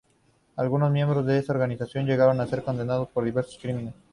Algunos miembros de estas organizaciones llegaron a ser condenados por diversos crímenes.